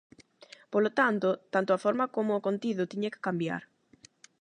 Polo tanto, tanto a forma como o contido tiña que cambiar.